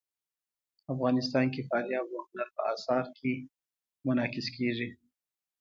افغانستان کې فاریاب د هنر په اثار کې منعکس کېږي.